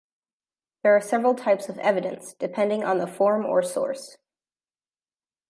There are several types of evidence, depending on the form or source.